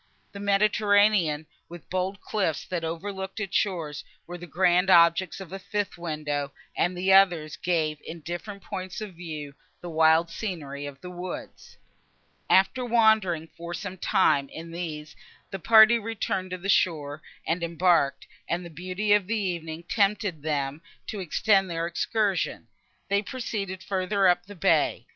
The Mediterranean, with the bold cliffs, that overlooked its shores, were the grand objects of a fifth window, and the others gave, in different points of view, the wild scenery of the woods. After wandering, for some time, in these, the party returned to the shore and embarked; and, the beauty of the evening tempting them to extend their excursion, they proceeded further up the bay.